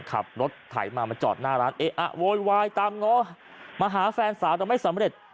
ขับรถถ่ายมามาจอดหน้าร้านโหยตามมาหาแฟนสาวแต่ไม่สำเร็จ